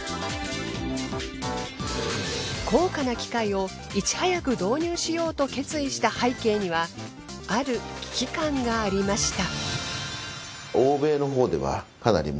高価な機械をいち早く導入しようと決意した背景にはある危機感がありました。